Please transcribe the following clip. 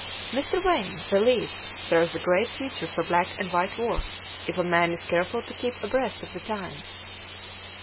Mr. Wain believes there is a great future for black and white work if a man is careful to keep abreast of the times.